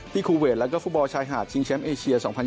คูเวทแล้วก็ฟุตบอลชายหาดชิงแชมป์เอเชีย๒๐๑๖